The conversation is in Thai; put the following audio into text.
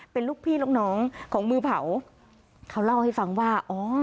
เป็นลูกพี่ลูกน้องของมือเผาเขาเล่าให้ฟังว่าอ๋อ